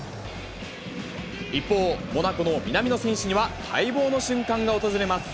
一方、モナコの南野選手には、待望の瞬間が訪れます。